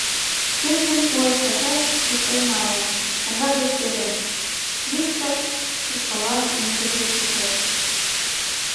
Шкенжым уэш-пачаш вурсен налын, саҥга гыч перен, Виктыр шырпылан мӧҥгыжӧ куржеш.